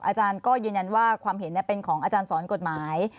อาจารย์ก็ยืนยันว่าความเห็นเป็นของอาจารย์สอนกฎหมาย